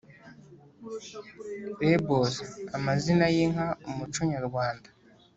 labels: amazina y’inka, umuco nyarwanda